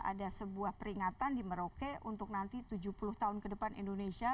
ada sebuah peringatan di merauke untuk nanti tujuh puluh tahun ke depan indonesia